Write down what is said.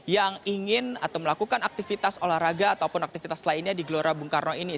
yang ingin atau melakukan aktivitas olahraga ataupun aktivitas lainnya di gelora bung karno ini